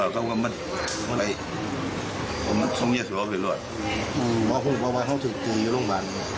ครับ